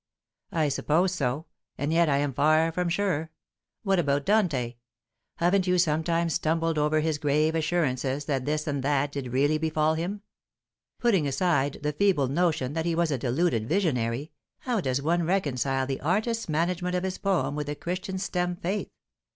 "I suppose so. And yet I am far from sure. What about Dante? Haven't you sometimes stumbled over his grave assurances that this and that did really befall him? Putting aside the feeble notion that he was a deluded visionary, how does one reconcile the artist's management of his poem with the Christian's stem faith?